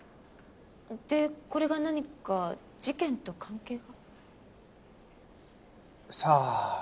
でこれが何か事件と関係が？さあ。